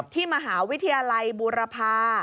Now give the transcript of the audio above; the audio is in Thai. ที่มหาวิทยาลัยบูรพา